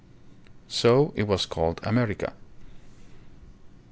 So it was called "America."